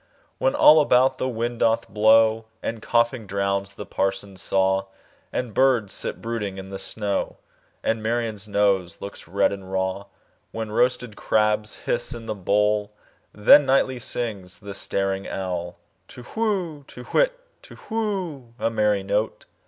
When all about the wind doth blow, And coughing drowns the parson's saw, And birds sit brooding in the snow, And Marian's nose looks red and raw; When roasted crabs hiss in the bowl—Then nightly sings the staring owlTu whoo! To whit, Tu whoo! A merry note!